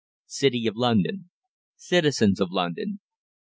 CITY OF LONDON. CITIZENS OF LONDON.